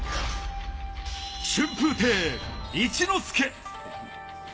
春風亭一之輔。